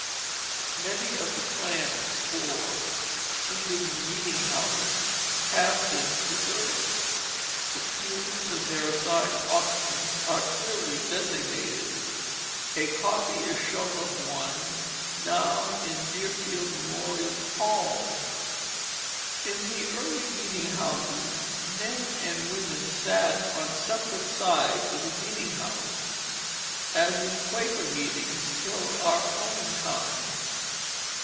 Many of the plans for "seating the meeting house" have been preserved; the pews and their assigned occupants are clearly designated. A copy is shown of one now in Deerfield Memorial Hall. In the early meeting houses men and women sat on separate sides of the meeting house, as in Quaker meetings till our own time.